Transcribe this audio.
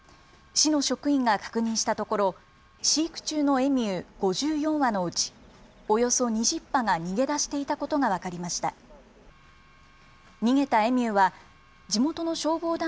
市の職員が確認したところ、飼育中のエミュー５４羽のうちおよそ２０羽が逃げ出していたことが分かりました。